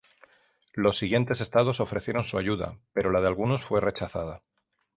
Los siguientes estados ofrecieron su ayuda, pero la de algunos fue rechazada.